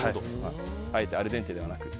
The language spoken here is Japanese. あえてアルデンテではなく。